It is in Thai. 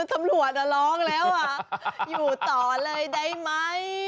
ธรรมรวชอะร้องแล้วอะอยู่ต่อเลยได้ไหม